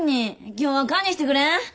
今日はかんにしてくれん？